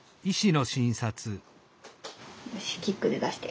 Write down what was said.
よしキックで出して。